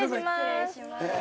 失礼します。